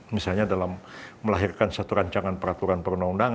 misalnya dalam melahirkan satu rancangan peraturan perundang undangan